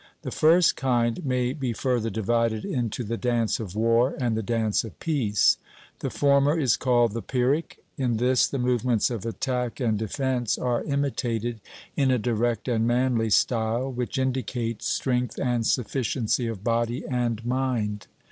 The first kind may be further divided into the dance of war and the dance of peace. The former is called the Pyrrhic; in this the movements of attack and defence are imitated in a direct and manly style, which indicates strength and sufficiency of body and mind.